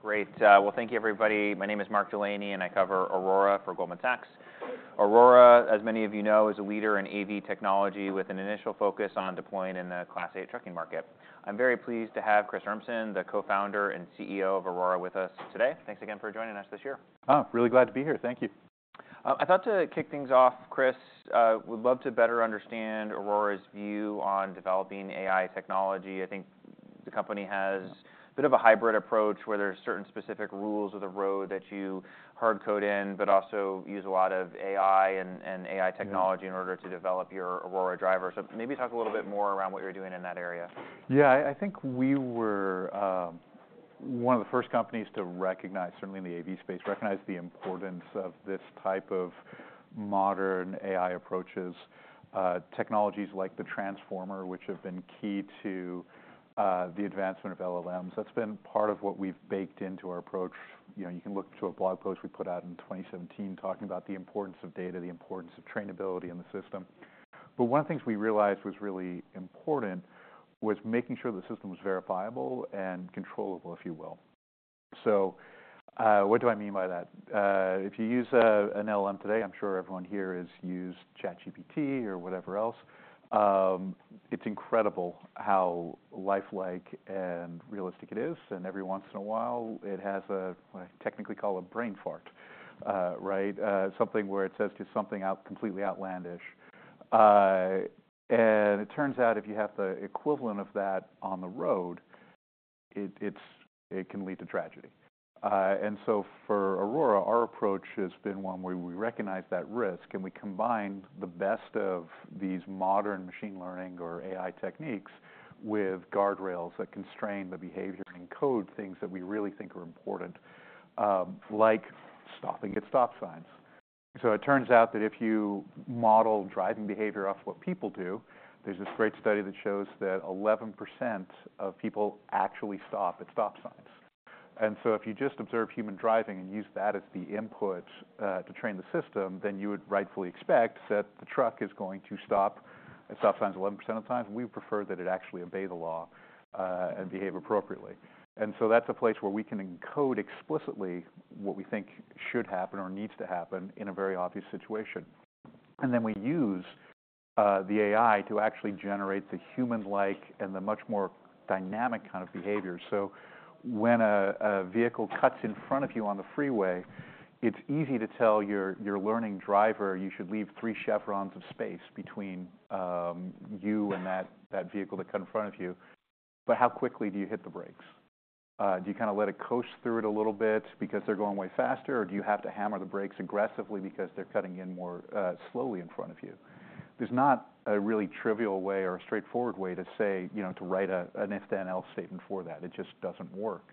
Great. Well, thank you, everybody. My name is Mark Delaney, and I cover Aurora for Goldman Sachs. Aurora, as many of you know, is a leader in AV technology with an initial focus on deploying in the Class 8 trucking market. I'm very pleased to have Chris Urmson, the co-founder and CEO of Aurora, with us today. Thanks again for joining us this year. Oh, really glad to be here. Thank you. I thought to kick things off, Chris, would love to better understand Aurora's view on developing AI technology. I think the company has a bit of a hybrid approach, where there are certain specific rules of the road that you hard code in, but also use a lot of AI and AI technology- Mm-hmm... in order to develop your Aurora Driver. So maybe talk a little bit more around what you're doing in that area. Yeah, I think we were one of the first companies to recognize, certainly in the AV space, recognize the importance of this type of modern AI approaches, technologies like the Transformer, which have been key to the advancement of LLMs. That's been part of what we've baked into our approach. You know, you can look to a blog post we put out in 2017 talking about the importance of data, the importance of trainability in the system. But one of the things we realized was really important was making sure the system was verifiable and controllable, if you will. So, what do I mean by that? If you use an LLM today, I'm sure everyone here has used ChatGPT or whatever else, it's incredible how lifelike and realistic it is, and every once in a while, it has a what I technically call a brain fart, right? Something where it says just something completely outlandish. And it turns out if you have the equivalent of that on the road, it can lead to tragedy. And so for Aurora, our approach has been one where we recognize that risk, and we combined the best of these modern machine learning or AI techniques with guardrails that constrain the behavior and encode things that we really think are important, like stopping at stop signs. So it turns out that if you model driving behavior off what people do, there's this great study that shows that 11% of people actually stop at stop signs. And so if you just observe human driving and use that as the input to train the system, then you would rightfully expect that the truck is going to stop at stop signs 11% of the time, and we prefer that it actually obey the law and behave appropriately. And so that's a place where we can encode explicitly what we think should happen or needs to happen in a very obvious situation. And then we use the AI to actually generate the human-like and the much more dynamic kind of behavior. So when a vehicle cuts in front of you on the freeway, it's easy to tell your learning driver, "You should leave three chevrons of space between you and that vehicle that cut in front of you." But how quickly do you hit the brakes? Do you kinda let it coast through it a little bit because they're going way faster, or do you have to hammer the brakes aggressively because they're cutting in more slowly in front of you? There's not a really trivial way or a straightforward way to say, you know, to write an if-then-else statement for that. It just doesn't work.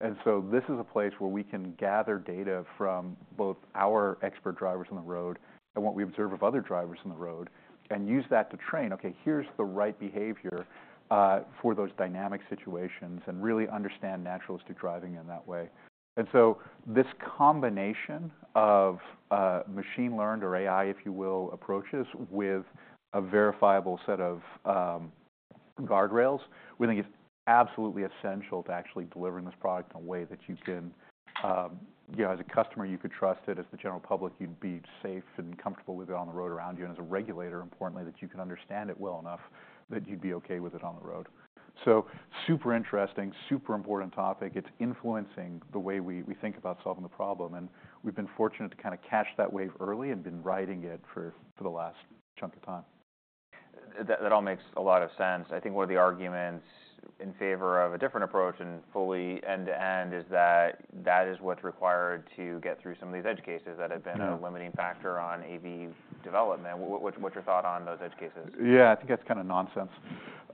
This is a place where we can gather data from both our expert drivers on the road and what we observe of other drivers on the road and use that to train, "Okay, here's the right behavior for those dynamic situations," and really understand naturalistic driving in that way. This combination of machine-learned, or AI, if you will, approaches with a verifiable set of guardrails we think is absolutely essential to actually delivering this product in a way that you can, you know, as a customer, you could trust it, as the general public, you'd be safe and comfortable with it on the road around you, and as a regulator, importantly, that you can understand it well enough that you'd be okay with it on the road. Super interesting, super important topic. It's influencing the way we think about solving the problem, and we've been fortunate to kind of catch that wave early and been riding it for the last chunk of time. That all makes a lot of sense. I think one of the arguments in favor of a different approach and fully end-to-end is that is what's required to get through some of these edge cases that have been- Mm-hmm... a limiting factor on AV development. What’s your thought on those edge cases? Yeah, I think that's kind of nonsense.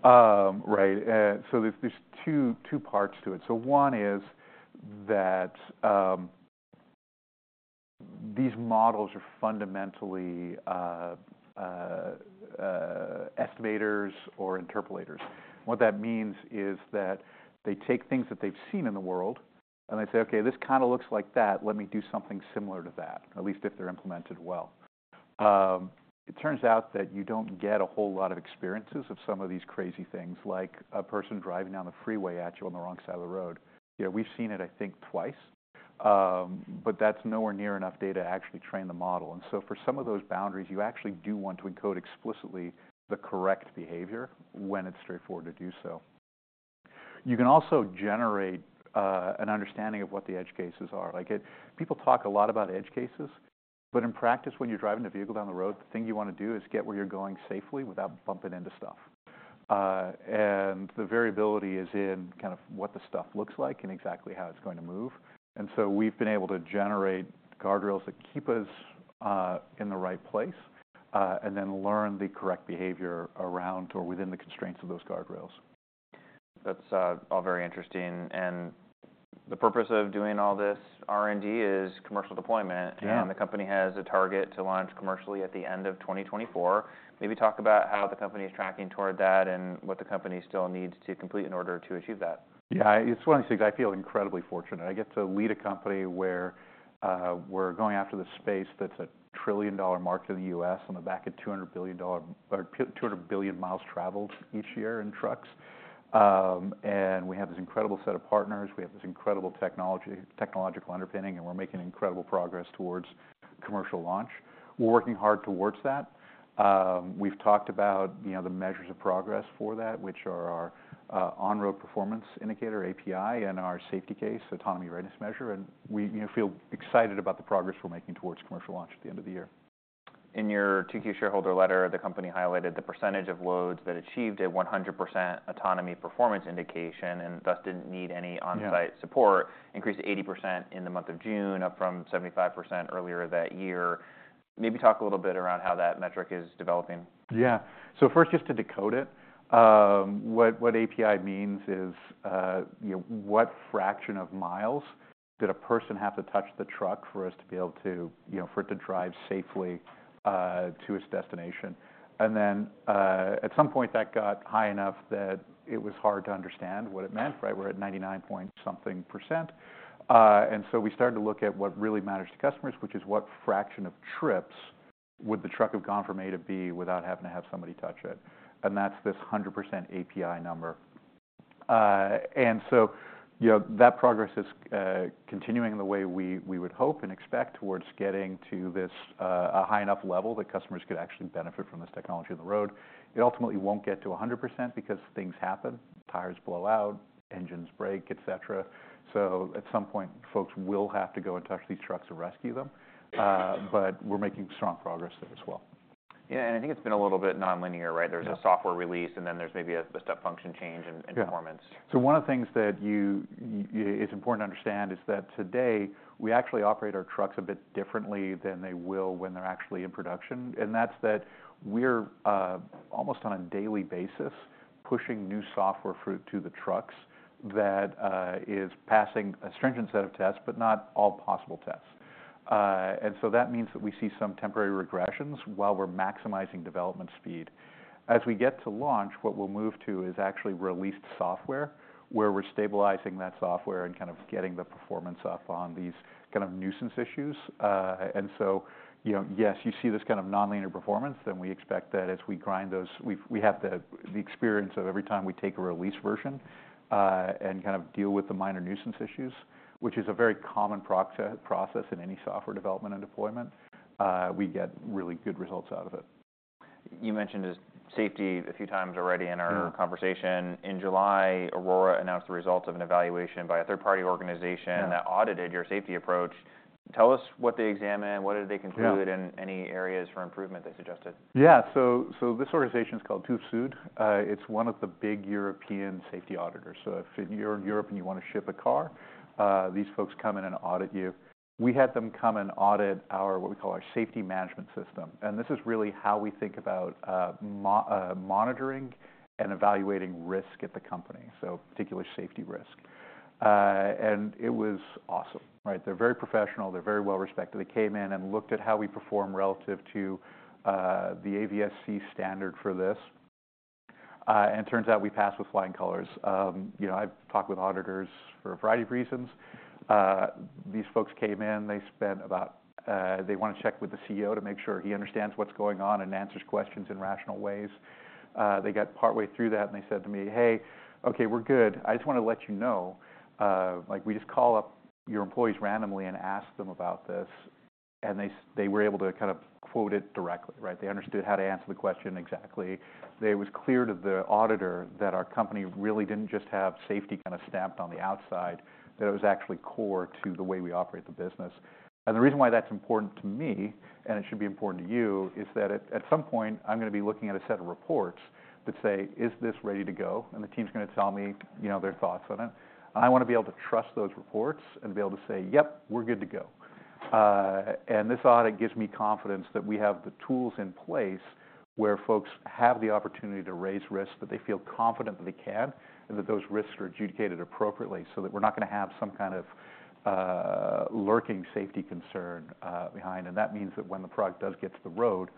Right, so there's two parts to it. So one is that these models are fundamentally estimators or interpolators. What that means is that they take things that they've seen in the world, and they say, "Okay, this kinda looks like that. Let me do something similar to that," at least if they're implemented well. It turns out that you don't get a whole lot of experiences of some of these crazy things, like a person driving down the freeway at you on the wrong side of the road. You know, we've seen it, I think, twice. But that's nowhere near enough data to actually train the model. And so for some of those boundaries, you actually do want to encode explicitly the correct behavior when it's straightforward to do so. You can also generate an understanding of what the edge cases are. Like, people talk a lot about edge cases, but in practice, when you're driving a vehicle down the road, the thing you wanna do is get where you're going safely without bumping into stuff. And the variability is in kind of what the stuff looks like and exactly how it's going to move. And so we've been able to generate guardrails that keep us in the right place, and then learn the correct behavior around or within the constraints of those guardrails. That's all very interesting, and the purpose of doing all this R&D is commercial deployment. Yeah. The company has a target to launch commercially at the end of 2024. Maybe talk about how the company is tracking toward that and what the company still needs to complete in order to achieve that. Yeah, it's one of the things. I feel incredibly fortunate. I get to lead a company where we're going after the space that's a trillion-dollar market in the US on the back of two hundred billion miles traveled each year in trucks. And we have this incredible set of partners. We have this incredible technology, technological underpinning, and we're making incredible progress towards commercial launch. We're working hard towards that. We've talked about, you know, the measures of progress for that, which are our on-road performance indicator, API, and our Safety Case, Autonomy Readiness Measure. We, you know, feel excited about the progress we're making towards commercial launch at the end of the year. In your 2Q shareholder letter, the company highlighted the percentage of loads that achieved a 100% Autonomy Performance Indicator, and thus didn't need any- Yeah On-site support increased 80% in the month of June, up from 75% earlier that year. Maybe talk a little bit around how that metric is developing. Yeah. So first, just to decode it, what API means is, you know, what fraction of miles did a person have to touch the truck for us to be able to, you know, for it to drive safely, to its destination? And then, at some point, that got high enough that it was hard to understand what it meant, right? We're at 99-something%. And so we started to look at what really matters to customers, which is what fraction of trips would the truck have gone from A to B without having to have somebody touch it? And that's this 100% API number. And so, you know, that progress is continuing the way we would hope and expect towards getting to this, a high enough level that customers could actually benefit from this technology on the road. It ultimately won't get to a 100% because things happen, tires blow out, engines break, et cetera. So at some point, folks will have to go and touch these trucks to rescue them, but we're making strong progress there as well. Yeah, and I think it's been a little bit nonlinear, right? Yeah. There's a software release, and then there's maybe a step function change in. Yeah - performance. So one of the things that you, it's important to understand is that today, we actually operate our trucks a bit differently than they will when they're actually in production. And that's that we're almost on a daily basis, pushing new software through to the trucks that is passing a stringent set of tests, but not all possible tests. And so that means that we see some temporary regressions while we're maximizing development speed. As we get to launch, what we'll move to is actually released software, where we're stabilizing that software and kind of getting the performance up on these kind of nuisance issues. And so, you know, yes, you see this kind of nonlinear performance. Then we expect that as we grind those, we have the experience of every time we take a release version and kind of deal with the minor nuisance issues, which is a very common process in any software development and deployment. We get really good results out of it. You mentioned this safety a few times already in our- Yeah Conversation. In July, Aurora announced the results of an evaluation by a third-party organization. Yeah that audited your safety approach. Tell us what they examined, what did they conclude? Yeah - and any areas for improvement they suggested? Yeah. So this organization is called TÜV SÜD. It's one of the big European safety auditors. So if you're in Europe and you want to ship a car, these folks come in and audit you. We had them come and audit our, what we call our safety management system, and this is really how we think about, monitoring and evaluating risk at the company, so particular safety risk, and it was awesome, right? They're very professional, they're very well-respected. They came in and looked at how we perform relative to the AVSC standard for this, and it turns out we passed with flying colors. You know, I've talked with auditors for a variety of reasons. These folks came in, they spent about... They want to check with the CEO to make sure he understands what's going on and answers questions in rational ways. They got partway through that, and they said to me, "Hey, okay, we're good. I just want to let you know, like, we just call up your employees randomly and ask them about this," and they, they were able to kind of quote it directly, right? They understood how to answer the question exactly. They. It was clear to the auditor that our company really didn't just have safety kind of stamped on the outside, that it was actually core to the way we operate the business. And the reason why that's important to me, and it should be important to you, is that at some point, I'm going to be looking at a set of reports that say, "Is this ready to go?" And the team's gonna tell me, you know, their thoughts on it. I want to be able to trust those reports and be able to say, "Yep, we're good to go." And this audit gives me confidence that we have the tools in place where folks have the opportunity to raise risks, that they feel confident that they can, and that those risks are adjudicated appropriately, so that we're not gonna have some kind of lurking safety concern behind. And that means that when the product does get to the road,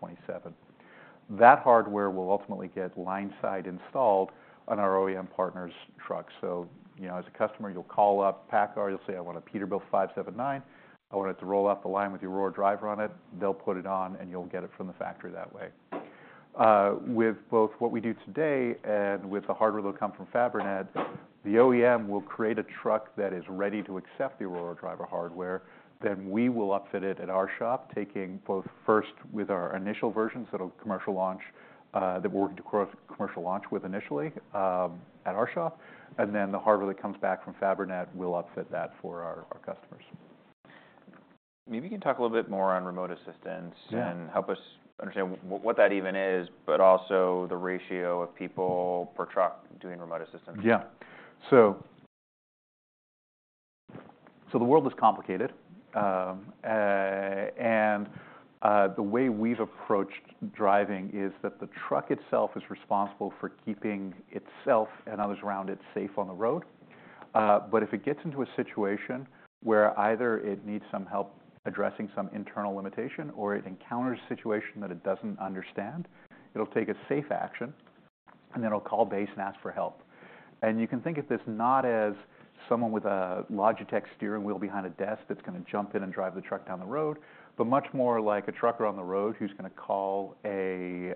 we're gonna in 2027. That hardware will ultimately get lineside installed on our OEM partner's truck. So, you know, as a customer, you'll call up PACCAR, you'll say: "I want a Peterbilt 579. I want it to roll off the line with the Aurora Driver on it." They'll put it on, and you'll get it from the factory that way. With both what we do today and with the hardware that'll come from Fabrinet, the OEM will create a truck that is ready to accept the Aurora Driver hardware. Then we will upfit it at our shop, taking both first with our initial version, so it'll commercial launch that we're working to commercial launch with initially, at our shop, and then the hardware that comes back from Fabrinet, we'll upfit that for our customers. Maybe you can talk a little bit more on Remote Assistance? Yeah. -and help us understand what that even is, but also the ratio of people per truck doing remote assistance. Yeah, so the world is complicated, and the way we've approached driving is that the truck itself is responsible for keeping itself and others around it safe on the road, but if it gets into a situation where either it needs some help addressing some internal limitation or it encounters a situation that it doesn't understand, it'll take a safe action, and then it'll call base and ask for help, and you can think of this not as someone with a Logitech steering wheel behind a desk that's gonna jump in and drive the truck down the road, but much more like a trucker on the road who's gonna call a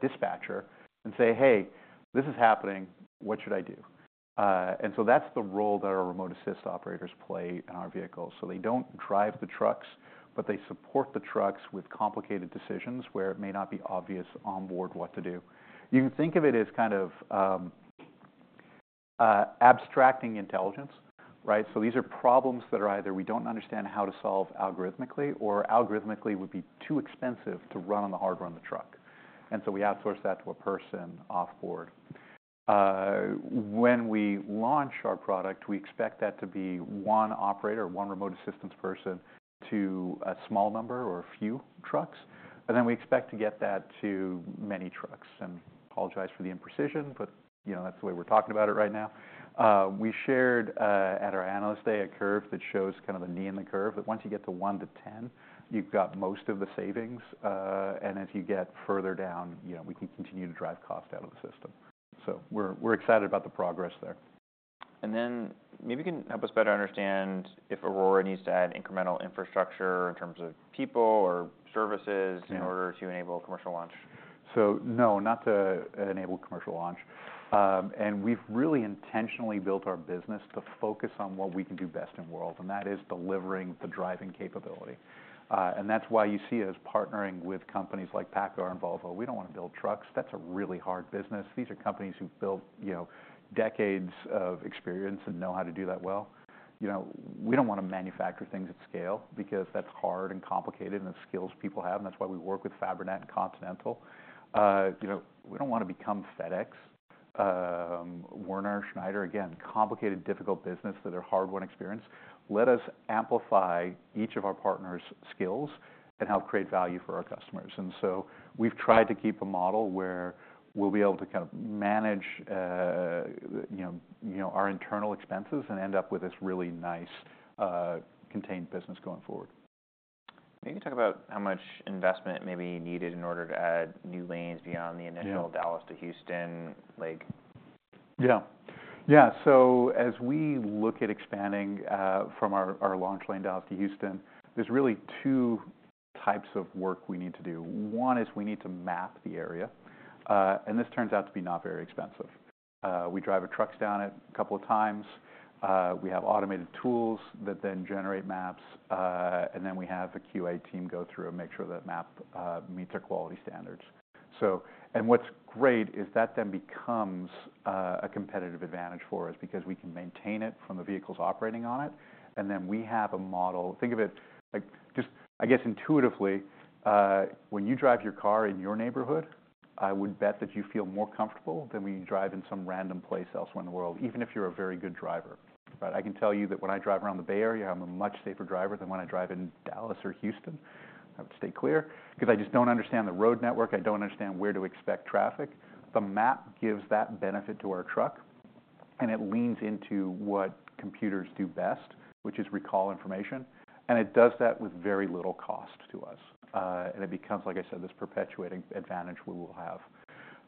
dispatcher and say, "Hey, this is happening. What should I do?", and so that's the role that our remote assist operators play in our vehicles. So they don't drive the trucks, but they support the trucks with complicated decisions, where it may not be obvious on board what to do. You can think of it as kind of, abstracting intelligence, right? So these are problems that are either we don't understand how to solve algorithmically, or algorithmically would be too expensive to run on the hardware on the truck, and so we outsource that to a person off-board. When we launch our product, we expect that to be one operator, one remote assistance person, to a small number or a few trucks, but then we expect to get that to many trucks, and apologize for the imprecision, but, you know, that's the way we're talking about it right now. We shared at our Analyst Day a curve that shows kind of the knee in the curve, that once you get to one to ten, you've got most of the savings, and as you get further down, you know, we can continue to drive cost out of the system. So we're excited about the progress there. And then maybe you can help us better understand if Aurora needs to add incremental infrastructure in terms of people or services? Yeah... in order to enable commercial launch. No, not to enable commercial launch, and we've really intentionally built our business to focus on what we can do best in the world, and that is delivering the driving capability, and that's why you see us partnering with companies like PACCAR and Volvo. We don't want to build trucks. That's a really hard business. These are companies who've built, you know, decades of experience and know how to do that well. You know, we don't want to manufacture things at scale because that's hard and complicated, and the skills people have, and that's why we work with Fabrinet and Continental. You know, we don't want to become FedEx, Werner, Schneider. Again, complicated, difficult business with a hard-won experience. Let us amplify each of our partners' skills and help create value for our customers. And so we've tried to keep a model where we'll be able to kind of manage, you know, our internal expenses and end up with this really nice, contained business going forward. Maybe talk about how much investment may be needed in order to add new lanes beyond the initial- Yeah... Dallas to Houston, like? Yeah. Yeah, so as we look at expanding from our launch lane, Dallas to Houston, there's really two types of work we need to do. One is we need to map the area, and this turns out to be not very expensive. We drive the trucks down it a couple of times. We have automated tools that then generate maps, and then we have the QA team go through and make sure that map meets our quality standards. So... And what's great is that then becomes a competitive advantage for us because we can maintain it from the vehicles operating on it, and then we have a model. Think of it, like, just I guess intuitively, when you drive your car in your neighborhood, I would bet that you feel more comfortable than when you drive in some random place elsewhere in the world, even if you're a very good driver. Right? I can tell you that when I drive around the Bay Area, I'm a much safer driver than when I drive in Dallas or Houston. I have to stay clear because I just don't understand the road network. I don't understand where to expect traffic. The map gives that benefit to our truck, and it leans into what computers do best, which is recall information, and it does that with very little cost to us. And it becomes, like I said, this perpetuating advantage we will have.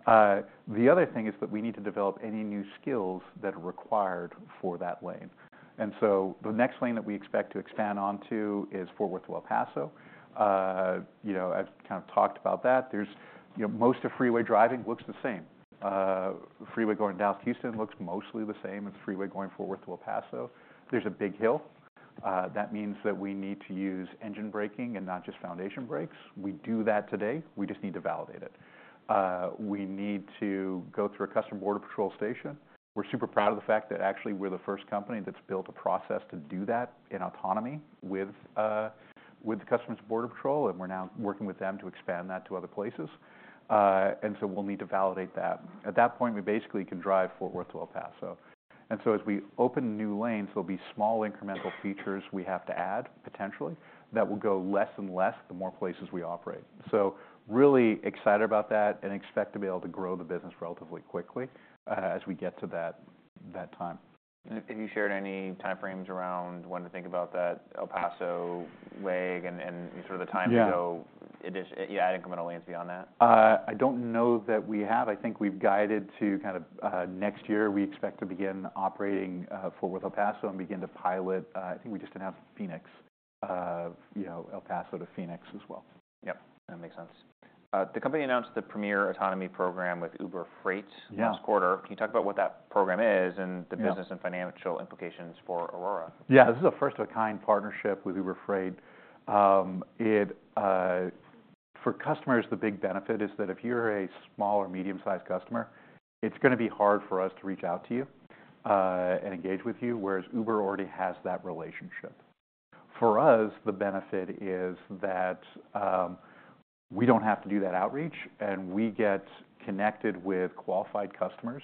The other thing is that we need to develop any new skills that are required for that lane. And so the next lane that we expect to expand onto is Fort Worth to El Paso. You know, I've kind of talked about that. There's, you know, most of freeway driving looks the same. Freeway going Dallas to Houston looks mostly the same as the freeway going Fort Worth to El Paso. There's a big hill. That means that we need to use engine braking and not just foundation brakes. We do that today, we just need to validate it. We need to go through a Customs Border Patrol station. We're super proud of the fact that actually we're the first company that's built a process to do that in autonomy with the U.S. Customs and Border Protection, and we're now working with them to expand that to other places, and so we'll need to validate that. At that point, we basically can drive Fort Worth to El Paso, and so as we open new lanes, there'll be small incremental features we have to add, potentially, that will go less and less the more places we operate, so really excited about that and expect to be able to grow the business relatively quickly, as we get to that, that time. Have you shared any time frames around when to think about that El Paso leg and sort of the time to go? Yeah. Yeah, incremental lanes beyond that? I don't know that we have. I think we've guided to kind of next year, we expect to begin operating Fort Worth, El Paso, and begin to pilot. I think we just announced Phoenix, you know, El Paso to Phoenix as well. Yep, that makes sense. The company announced the Premier Autonomy program with Uber Freight- Yeah... last quarter. Can you talk about what that program is and- Yeah - The business and financial implications for Aurora? Yeah, this is a first of a kind partnership with Uber Freight. It, for customers, the big benefit is that if you're a small or medium-sized customer, it's gonna be hard for us to reach out to you, and engage with you, whereas Uber already has that relationship. For us, the benefit is that, we don't have to do that outreach, and we get connected with qualified customers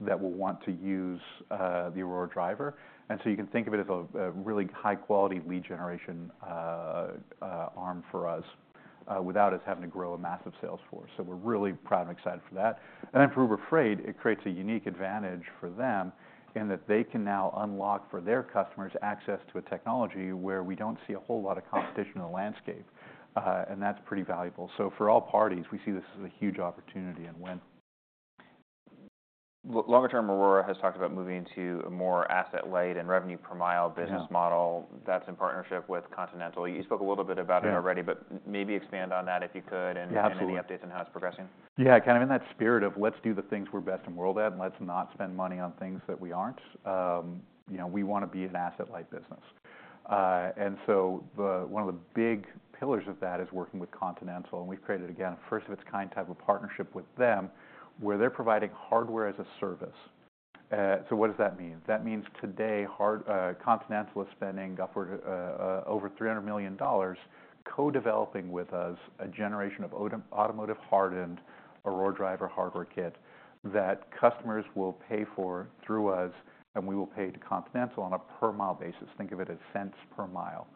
that will want to use, the Aurora Driver. And so you can think of it as a, a really high-quality lead generation, arm for us, without us having to grow a massive sales force. So we're really proud and excited for that. And then for Uber Freight, it creates a unique advantage for them in that they can now unlock for their customers access to a technology where we don't see a whole lot of competition in the landscape, and that's pretty valuable. So for all parties, we see this as a huge opportunity and win. Longer term, Aurora has talked about moving to a more asset-light and revenue-per-mile business model. Yeah... that's in partnership with Continental. You spoke a little bit about it already- Yeah - but maybe expand on that, if you could, and- Absolutely Any updates on how it's progressing? Yeah, kind of in that spirit of let's do the things we're best in world at, and let's not spend money on things that we aren't, you know, we want to be an asset-light business. And so the one of the big pillars of that is working with Continental, and we've created, again, a first of its kind type of partnership with them, where they're providing hardware as a service. So what does that mean? That means today, hardware, Continental is spending upward over $300 million co-developing with us a generation of automotive hardened Aurora Driver hardware kit that customers will pay for through us, and we will pay to Continental on a per mile basis. Think of it as cents per mile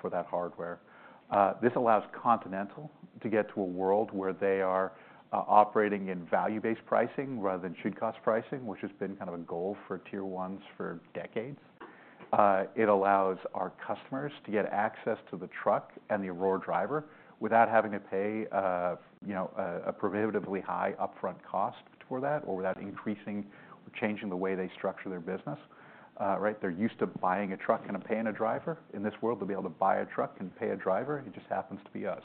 for that hardware. This allows Continental to get to a world where they are operating in value-based pricing rather than should-cost pricing, which has been kind of a goal for tier ones for decades. It allows our customers to get access to the truck and the Aurora Driver without having to pay, you know, a prohibitively high upfront cost for that or without increasing or changing the way they structure their business. Right, they're used to buying a truck and paying a driver. In this world, they'll be able to buy a truck and pay a driver, it just happens to be us.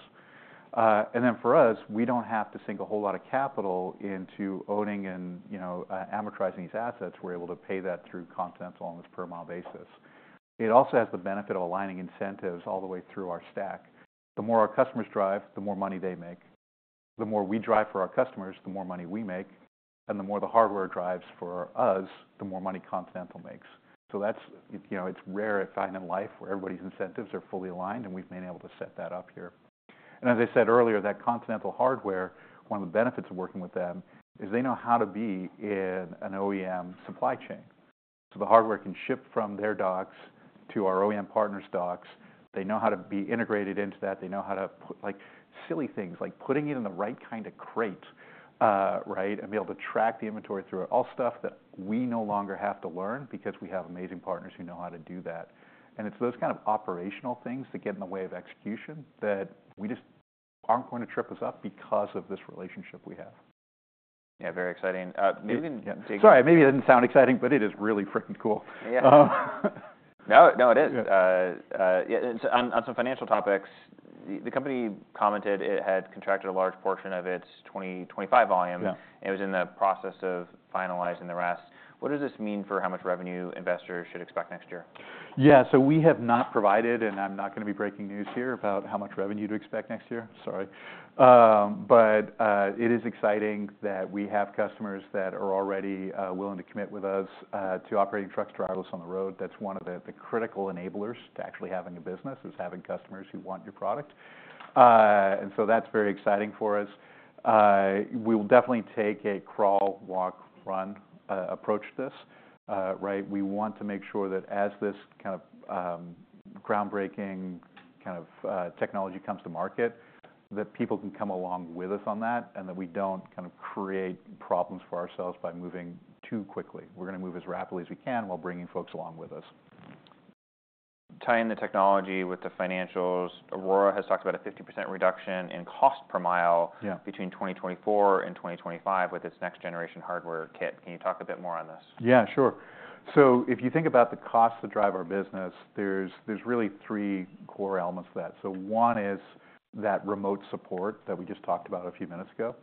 And then for us, we don't have to sink a whole lot of capital into owning and, you know, amortizing these assets. We're able to pay that through Continental on this per mile basis. It also has the benefit of aligning incentives all the way through our stack. The more our customers drive, the more money they make. The more we drive for our customers, the more money we make, and the more the hardware drives for us, the more money Continental makes, so that's, you know, it's rare a time in life where everybody's incentives are fully aligned, and we've been able to set that up here, and as I said earlier, that Continental hardware, one of the benefits of working with them, is they know how to be in an OEM supply chain, so the hardware can ship from their docks to our OEM partner's docks. They know how to be integrated into that. They know how to put... Like, silly things, like putting it in the right kind of crate, right, and be able to track the inventory through it. All stuff that we no longer have to learn because we have amazing partners who know how to do that, and it's those kind of operational things that get in the way of execution that we just aren't going to trip us up because of this relationship we have. Yeah, very exciting. Maybe- Sorry, maybe it didn't sound exciting, but it is really freaking cool. Yeah. No, no, it is. Yeah, on some financial topics, the company commented it had contracted a large portion of its 2025 volume- Yeah... and was in the process of finalizing the rest. What does this mean for how much revenue investors should expect next year? Yeah, so we have not provided, and I'm not gonna be breaking news here about how much revenue to expect next year, sorry, but it is exciting that we have customers that are already willing to commit with us to operating trucks driverless on the road. That's one of the critical enablers to actually having a business, is having customers who want your product, and so that's very exciting for us. We will definitely take a crawl, walk, run approach to this, right? We want to make sure that as this kind of groundbreaking, kind of technology comes to market, that people can come along with us on that, and that we don't kind of create problems for ourselves by moving too quickly. We're gonna move as rapidly as we can while bringing folks along with us. Tying the technology with the financials, Aurora has talked about a 50% reduction in cost per mile- Yeah... between 2024 and 2025 with its next generation hardware kit. Can you talk a bit more on this? Yeah, sure. So if you think about the costs that drive our business, there's really three core elements to that. So one is that remote support that we just talked about a few minutes ago.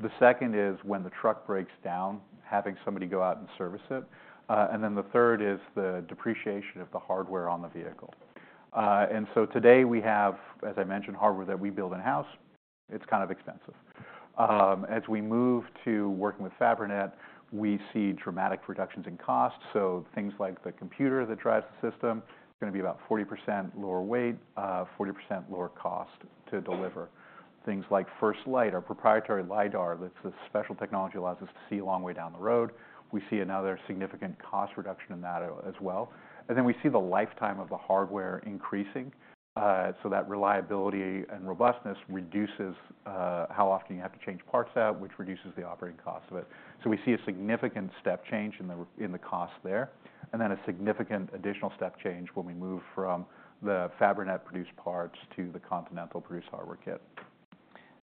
The second is when the truck breaks down, having somebody go out and service it. And then the third is the depreciation of the hardware on the vehicle. And so today we have, as I mentioned, hardware that we build in-house. It's kind of expensive. As we move to working with Fabrinet, we see dramatic reductions in cost. So things like the computer that drives the system is gonna be about 40% lower weight, 40% lower cost to deliver. Things like FirstLight, our proprietary lidar, that's the special technology that allows us to see a long way down the road. We see another significant cost reduction in that as well, and then we see the lifetime of the hardware increasing. So that reliability and robustness reduces how often you have to change parts out, which reduces the operating cost of it. So we see a significant step change in the cost there, and then a significant additional step change when we move from the Fabrinet-produced parts to the Continental-produced hardware kit.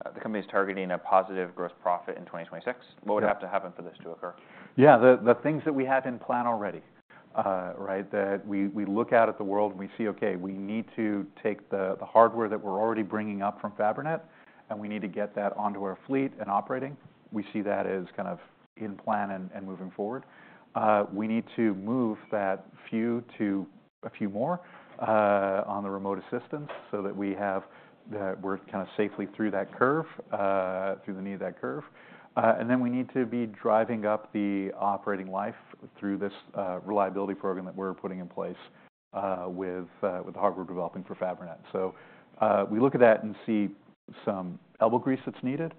The company is targeting a positive gross profit in 2026. Yeah. What would have to happen for this to occur? Yeah, the things that we have in plan already, right? That we look out at the world and we see, okay, we need to take the hardware that we're already bringing up from Fabrinet, and we need to get that onto our fleet and operating. We see that as kind of in plan and moving forward. We need to move that few to a few more on the remote assistance so that we're kinda safely through that curve, through the knee of that curve. And then we need to be driving up the operating life through this reliability program that we're putting in place with the hardware we're developing for Fabrinet. So, we look at that and see some elbow grease that's needed,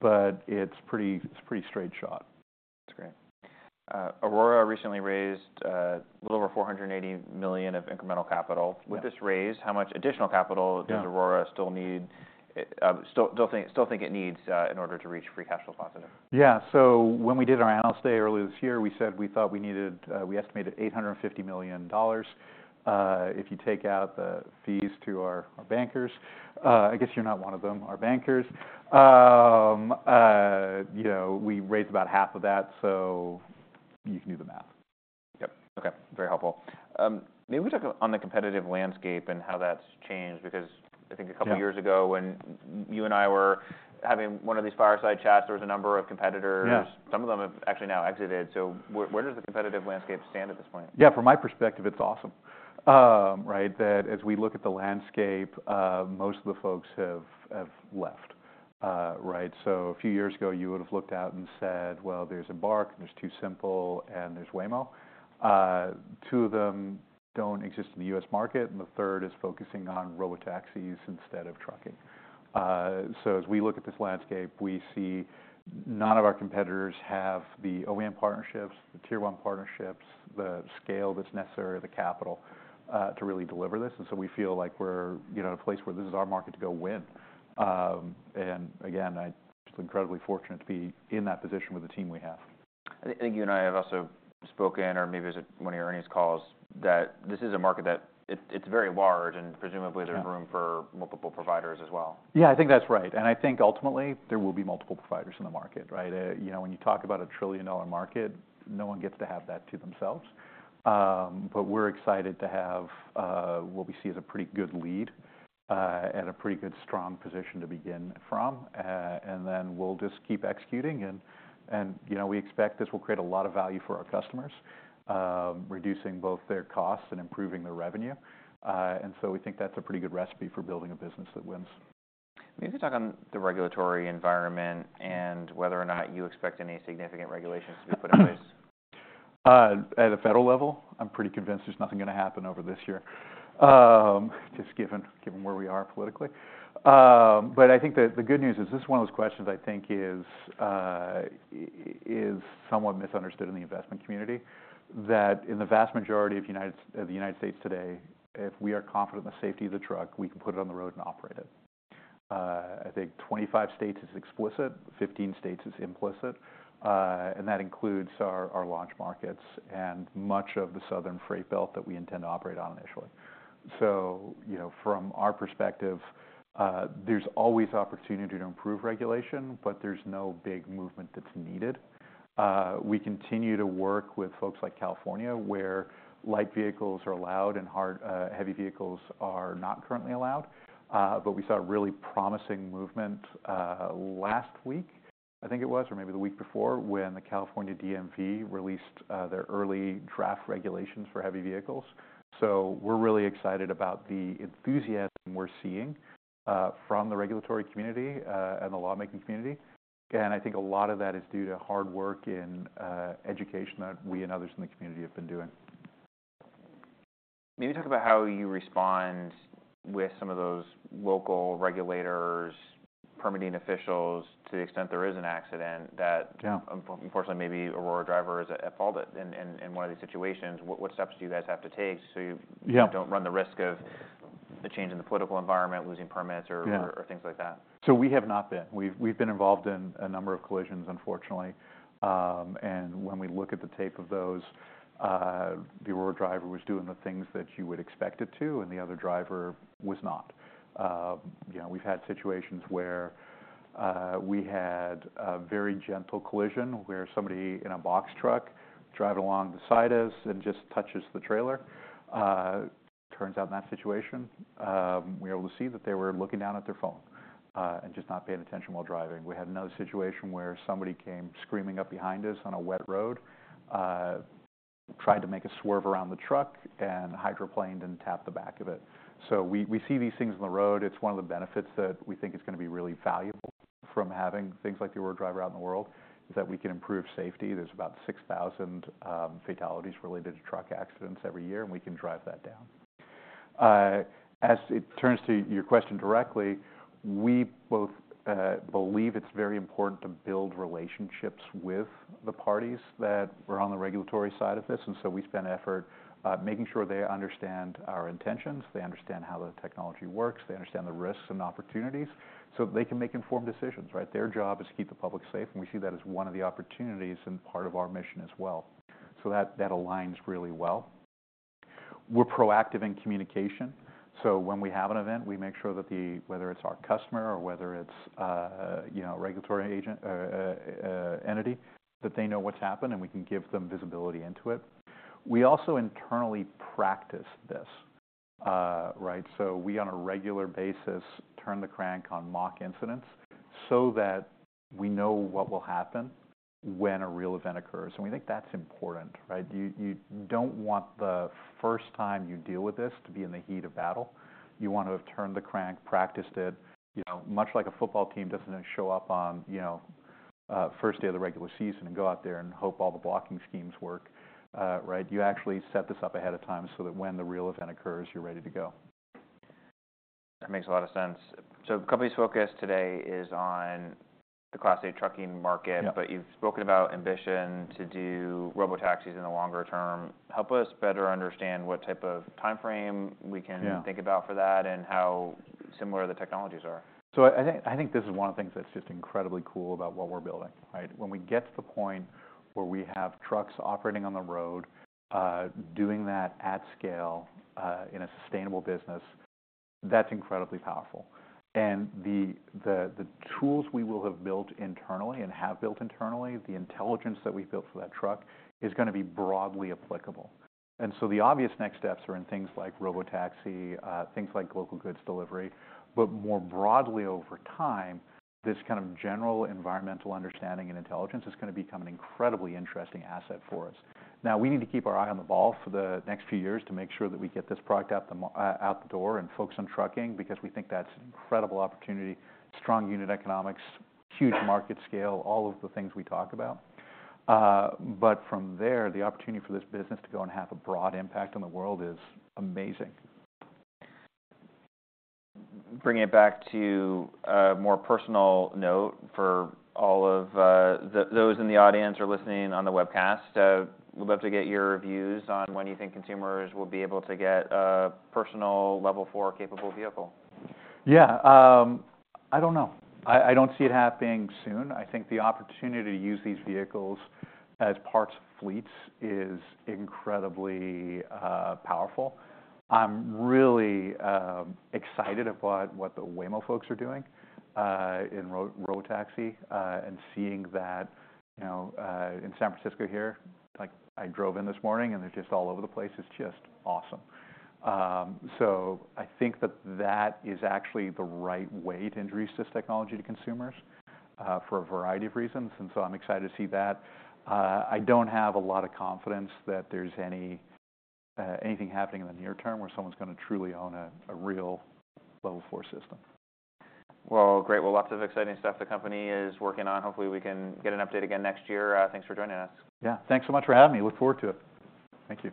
but it's a pretty straight shot. That's great. Aurora recently raised a little over $480 million of incremental capital. Yeah. With this raise, how much additional capital- Yeah... does Aurora still think it needs in order to reach free cash flow positive? Yeah. So when we did our analyst day earlier this year, we said we thought we needed, we estimated $850 million. If you take out the fees to our bankers, I guess you're not one of them, our bankers. You know, we raised about half of that, so you can do the math. Yep. Okay, very helpful. Maybe we talk on the competitive landscape and how that's changed, because I think a couple- Yeah... years ago when you and I were having one of these fireside chats, there was a number of competitors. Yeah. Some of them have actually now exited. So where does the competitive landscape stand at this point? Yeah, from my perspective, it's awesome. Right, that as we look at the landscape, most of the folks have left. Right, so a few years ago, you would have looked out and said, "Well, there's Embark, there's TuSimple, and there's Waymo." Two of them don't exist in the U.S. market, and the third is focusing on robotaxis instead of trucking. So as we look at this landscape, we see none of our competitors have the OEM partnerships, the tier one partnerships, the scale that's necessary, the capital to really deliver this. And so we feel like we're, you know, in a place where this is our market to go win. And again, I'm just incredibly fortunate to be in that position with the team we have. I think you and I have also spoken, or maybe it was one of your earnings calls, that this is a market that it's very large, and presumably- Yeah... there's room for multiple providers as well. Yeah, I think that's right. And I think ultimately, there will be multiple providers in the market, right? You know, when you talk about a trillion-dollar market, no one gets to have that to themselves. But we're excited to have what we see as a pretty good lead and a pretty good, strong position to begin from. And then we'll just keep executing and, you know, we expect this will create a lot of value for our customers, reducing both their costs and improving their revenue. And so we think that's a pretty good recipe for building a business that wins. Maybe talk on the regulatory environment and whether or not you expect any significant regulations to be put in place. At a federal level, I'm pretty convinced there's nothing gonna happen over this year, just given where we are politically. But I think that the good news is, this is one of those questions I think is somewhat misunderstood in the investment community. That in the vast majority of the United States today, if we are confident in the safety of the truck, we can put it on the road and operate it. I think twenty-five states is explicit, fifteen states is implicit, and that includes our launch markets and much of the southern freight belt that we intend to operate on initially. So, you know, from our perspective, there's always opportunity to improve regulation, but there's no big movement that's needed. We continue to work with folks like California, where light vehicles are allowed and heavy vehicles are not currently allowed, but we saw a really promising movement last week, I think it was, or maybe the week before, when the California DMV released their early draft regulations for heavy vehicles, so we're really excited about the enthusiasm we're seeing from the regulatory community and the lawmaking community, and I think a lot of that is due to hard work and education that we and others in the community have been doing. Maybe talk about how you respond with some of those local regulators, permitting officials, to the extent there is an accident, that- Yeah... unfortunately, maybe Aurora Driver is at fault in one of these situations. What steps do you guys have to take so you- Yeah... don't run the risk of a change in the political environment, losing permits or- Yeah... or things like that? So we have not been. We've been involved in a number of collisions, unfortunately. And when we look at the tape of those, the Aurora Driver was doing the things that you would expect it to, and the other driver was not. You know, we've had situations where we had a very gentle collision, where somebody in a box truck driving along the side of us and just touches the trailer. Turns out in that situation, we were able to see that they were looking down at their phone, and just not paying attention while driving. We had another situation where somebody came screaming up behind us on a wet road, tried to make a swerve around the truck and hydroplaned and tapped the back of it. We see these things on the road. It's one of the benefits that we think is gonna be really valuable from having things like the Aurora Driver out in the world, is that we can improve safety. There's about 6,000 fatalities related to truck accidents every year, and we can drive that down. As it turns to your question directly, we both believe it's very important to build relationships with the parties that are on the regulatory side of this, and so we spend effort making sure they understand our intentions, they understand how the technology works, they understand the risks and opportunities, so they can make informed decisions, right? Their job is to keep the public safe, and we see that as one of the opportunities and part of our mission as well. So that aligns really well. We're proactive in communication, so when we have an event, we make sure that whether it's our customer or whether it's a, you know, regulatory agent, entity, that they know what's happened and we can give them visibility into it. We also internally practice this, right? So we, on a regular basis, turn the crank on mock incidents so that we know what will happen when a real event occurs. And we think that's important, right? You don't want the first time you deal with this to be in the heat of battle. You want to have turned the crank, practiced it, you know, much like a football team doesn't show up on, you know, first day of the regular season and go out there and hope all the blocking schemes work, right? You actually set this up ahead of time so that when the real event occurs, you're ready to go. That makes a lot of sense. So the company's focus today is on the Class 8 trucking market- Yeah. - but you've spoken about ambition to do robotaxis in the longer term. Help us better understand what type of timeframe we can? Yeah... think about for that and how similar the technologies are. I, I think this is one of the things that's just incredibly cool about what we're building, right? When we get to the point where we have trucks operating on the road, doing that at scale, in a sustainable business, that's incredibly powerful. The tools we will have built internally, the intelligence that we've built for that truck, is gonna be broadly applicable. The obvious next steps are in things like robotaxi, things like local goods delivery. More broadly, over time, this kind of general environmental understanding and intelligence is gonna become an incredibly interesting asset for us. Now, we need to keep our eye on the ball for the next few years to make sure that we get this product out the door, and focus on trucking, because we think that's an incredible opportunity, strong unit economics, huge market scale, all of the things we talk about. But from there, the opportunity for this business to go and have a broad impact on the world is amazing. Bringing it back to a more personal note for all of those in the audience who are listening in on the webcast, we'd love to get your views on when you think consumers will be able to get a personal Level 4-capable vehicle? Yeah, I don't know. I don't see it happening soon. I think the opportunity to use these vehicles as parts of fleets is incredibly powerful. I'm really excited about what the Waymo folks are doing in robotaxi and seeing that, you know, in San Francisco here. Like, I drove in this morning, and they're just all over the place. It's just awesome. So I think that that is actually the right way to introduce this technology to consumers for a variety of reasons, and so I'm excited to see that. I don't have a lot of confidence that there's anything happening in the near term, where someone's gonna truly own a real Level four system. Great. Lots of exciting stuff the company is working on. Hopefully, we can get an update again next year. Thanks for joining us. Yeah. Thanks so much for having me. Look forward to it. Thank you.